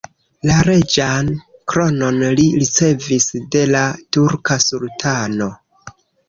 La reĝan kronon li ricevis de la turka sultano.